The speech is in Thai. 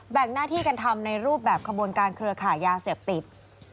งหน้าที่กันทำในรูปแบบขบวนการเครือขายยาเสพติด